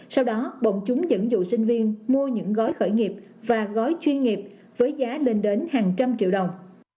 sau đó bọn chúng dẫn dụ sinh viên mua những gói khởi nghiệp và gói chuyên nghiệp với giá lên đến hàng trăm triệu đồng